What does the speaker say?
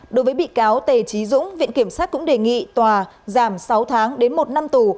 đối với bị cáo tề trí dũng viện kiểm sát cũng đề nghị tòa giảm sáu tháng đến một năm tù